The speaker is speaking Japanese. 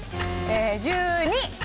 １２。